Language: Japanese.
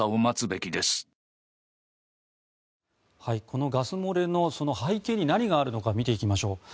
このガス漏れの背景に何があるのか見ていきましょう。